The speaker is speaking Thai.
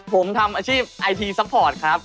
ผมทำอาชีพไอทีซัพพอร์ตครับ